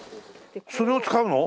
それを使うの？